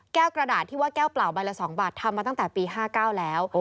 กระดาษที่ว่าแก้วเปล่าใบละ๒บาททำมาตั้งแต่ปี๕๙แล้ว